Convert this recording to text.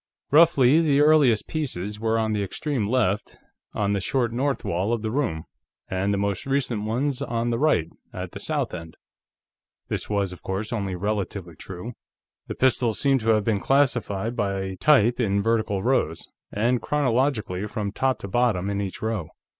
Roughly, the earliest pieces were on the extreme left, on the short north wall of the room, and the most recent ones on the right, at the south end. This was, of course, only relatively true; the pistols seemed to have been classified by type in vertical rows, and chronologically from top to bottom in each row.